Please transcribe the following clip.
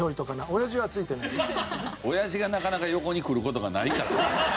オヤジがなかなか横に来る事がないから。